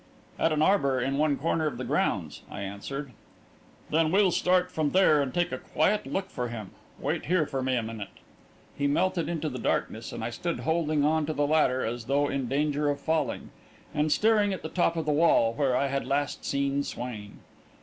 "At an arbour in one corner of the grounds," I answered. "Then we'll start from there and take a quiet look for him. Wait here for me a minute." He melted into the darkness, and I stood holding on to the ladder as though in danger of falling, and staring at the top of the wall, where I had last seen Swain.